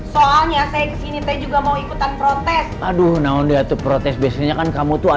soalnya saya kesini teh juga mau ikutan protes aduh nah undi atuh protes biasanya kan kamu tuh